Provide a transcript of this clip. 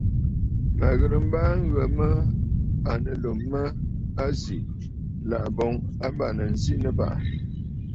Mə̀ ghɨrə mbaaa ŋghə mə à nɨ Lum mə a zì, làʼ̀à boŋ a bàŋnə zi Nɨbàʼà.